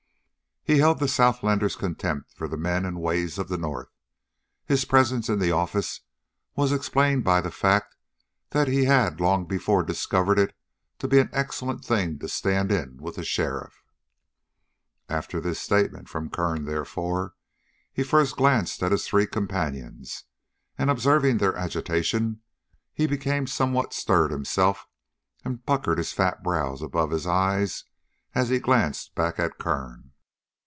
He held the southlander's contempt for the men and ways of the north. His presence in the office was explained by the fact that he had long before discovered it to be an excellent thing to stand in with the sheriff. After this statement from Kern, therefore, he first glanced at his three companions, and, observing their agitation, he became somewhat stirred himself and puckered his fat brows above his eyes, as he glanced back at Kern.